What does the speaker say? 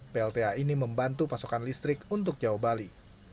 plta ini membantu pasokan listrik untuk jawa bali